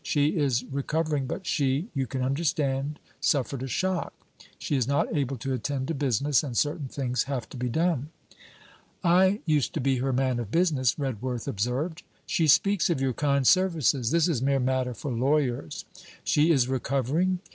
'She is recovering, but she you can understand suffered a shock. She is not able to attend to business, and certain things have to be done.' 'I used to be her man of business,' Redworth observed. 'She speaks of your kind services. This is mere matter for lawyers.' 'She is recovering?'